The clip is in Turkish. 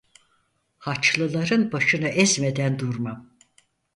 Haçlılar'ın başını ezmeden durmam!